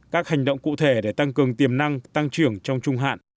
các hành động cụ thể để tăng cường tiềm năng tăng trưởng trong trung hạn